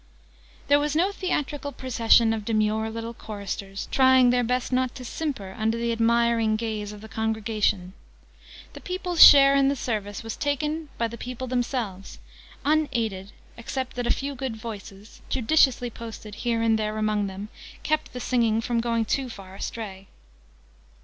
There was no theatrical procession of demure little choristers, trying their best not to simper under the admiring gaze of the congregation: the people's share in the service was taken by the people themselves, unaided, except that a few good voices, judiciously posted here and there among them, kept the singing from going too far astray.